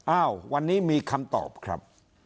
อ้าววันนี้มีคำตอบครับ